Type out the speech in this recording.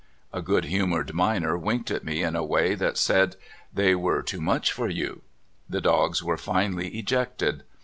A good humored miner winked at me in a way that said: "They were too much for you." The dogs were finally ejected.